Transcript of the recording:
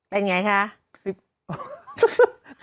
เป็นอย่างไรคะ